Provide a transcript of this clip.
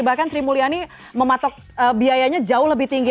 bahkan sri mulyani mematok biayanya jauh lebih tinggi